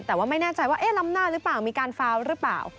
แต่ว่าไม่แน่ใจว่าล้ำหน้าหรือเปล่ามีการฟาวหรือเปล่า